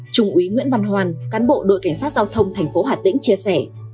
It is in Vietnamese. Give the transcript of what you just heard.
trung úy nguyễn văn hoàn cán bộ đội cảnh sát giao thông thành phố hà tĩnh chia sẻ